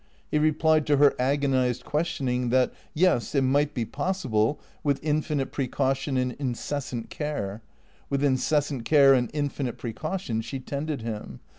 He replied to her agon ized questioning that, yes, it might be possible, with infinite precaution and incessant care. With incessant care and infinite precaution she tended him.